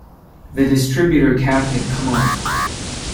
The distributor cap had come off.